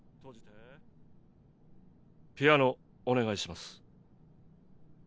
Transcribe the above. ピアノお願いします。